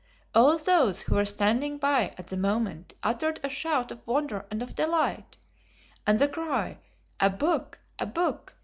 All those who were standing by at the moment uttered a shout of wonder and of delight, and the cry of "A book! a book!"